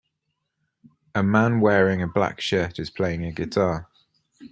A man wearing a black shirt is playing a guitar.